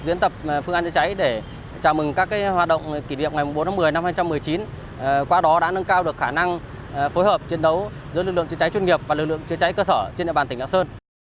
diễn tập phương án chữa cháy để chào mừng các hoạt động kỷ niệm ngày bốn tháng một mươi năm hai nghìn một mươi chín qua đó đã nâng cao được khả năng phối hợp chiến đấu giữa lực lượng chữa cháy chuyên nghiệp và lực lượng chữa cháy cơ sở trên địa bàn tỉnh lạng sơn